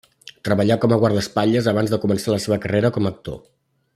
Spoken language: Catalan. Treballà com a guardaespatlles abans de començar la seva carrera com a actor.